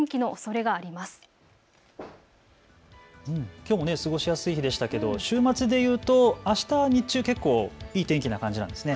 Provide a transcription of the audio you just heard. きょう、過ごしやすい日でしたけど週末でいうとあしたは日中結構いい天気な感じなんですね。